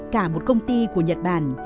cả một công ty của nhật bản